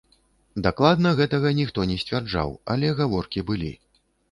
Дакладна гэтага ніхто не сцвярджаў, але гаворкі былі.